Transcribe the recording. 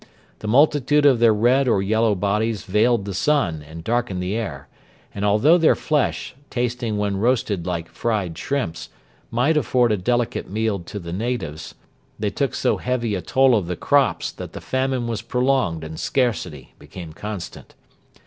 The multitude of their red or yellow bodies veiled the sun and darkened the air, and although their flesh, tasting when roasted like fried shrimps, might afford a delicate meal to the natives, they took so heavy a toll of the crops that the famine was prolonged and scarcity became constant.